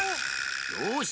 よし！